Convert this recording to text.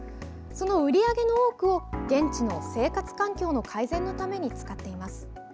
その売り上げの多くを現地の生活環境の改善のために使っています。